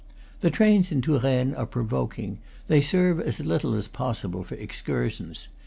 The trains in Touraine are provoking; they serve as little as possible for excursions.